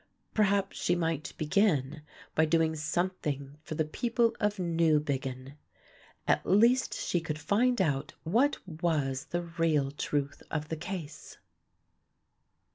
Perhaps she might begin by doing something for the people of Newbiggin. At least she could find out what was the real truth of the case.